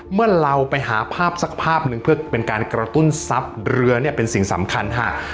เมื่อเราไปหาภาพสักภาพหนึ่งเพื่อเป็นการกระตุ้นทรัพย์เรือเนี่ยเป็นสิ่งสำคัญค่ะ